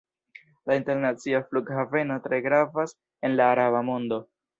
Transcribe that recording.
La internacia flughaveno tre gravas en la araba mondo.